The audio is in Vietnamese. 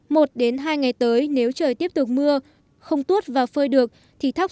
một đến hai ngày tới nếu trời tiếp tục mưa không tuốt và phơi được